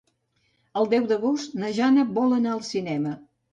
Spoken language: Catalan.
El deu d'agost na Jana vol anar al cinema.